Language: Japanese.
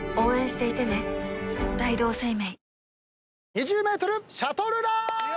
２０ｍシャトルラン！